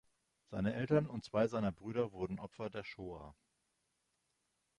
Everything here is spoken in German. Seine Eltern und zwei seiner Brüder wurden Opfer der Shoah.